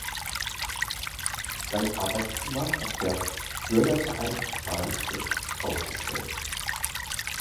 Sein Arbeitszimmer hat der Bürgerverein Rahlstedt ausgestellt.